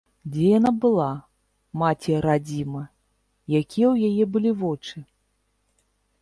Дзе яна была, маці-радзіма, якія ў яе былі вочы?